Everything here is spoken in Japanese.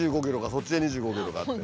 そっちへ２５ｋｍかって。